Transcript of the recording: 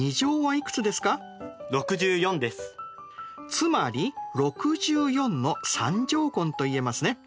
つまり６４の３乗根といえますね。